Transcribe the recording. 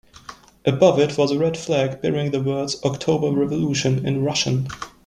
Above it was a red flag bearing the words "October Revolution" in Russian.